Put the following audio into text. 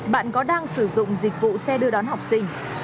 bạn có đang sử dụng dịch vụ xe đưa đón học sinh